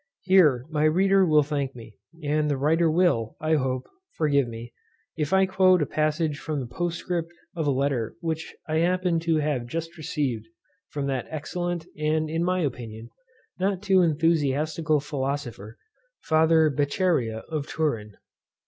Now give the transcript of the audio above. Here my reader will thank me, and the writer will, I hope, forgive me, if I quote a passage from the postscript of a letter which I happen to have just received from that excellent, and in my opinion, not too enthusiastical philosopher, father Beccaria of Turin.